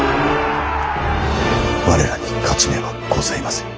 我らに勝ち目はございません。